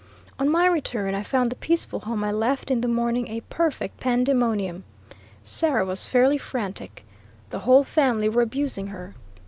On my return I found the peaceful home I left in the morning a perfect pandemonium. Sarah was fairly frantic. The whole family were abusing her.